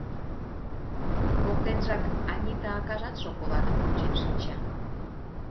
Воктенжак Анита акажат шоколадым кучен шинча.